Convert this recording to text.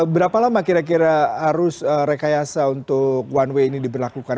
berapa lama kira kira arus rekayasa untuk one way ini diberlakukan